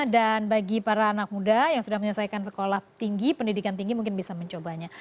dan bagi para anak muda yang sudah menyelesaikan sekolah tinggi pendidikan tinggi mungkin bisa mencobanya